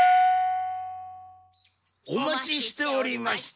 お待ちしておりました。